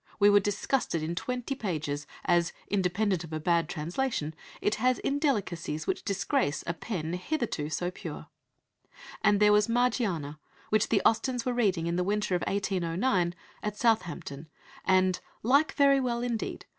We were disgusted in twenty pages, as, independent of a bad translation, it has indelicacies which disgrace a pen hitherto so pure"; and there was Margiarna, which the Austens were reading in the winter of 1809, at Southampton, and "like very well indeed.